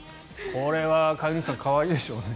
これは山口さん、可愛いでしょうね。